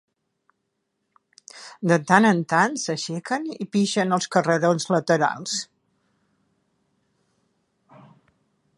De tant en tant s'aixequen i pixen als carrerons laterals.